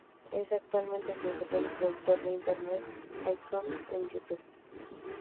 Es actualmente el director y productor de "Internet Icon" en YouTube.